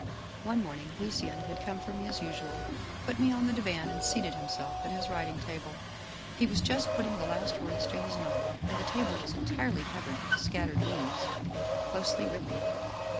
" One morning Lucien had come for me as usual, put me on the divan, and seated himself at his writing table. He was just putting the last words to his novel, and the table was entirely covered with the scattered leaves, closely writ ten.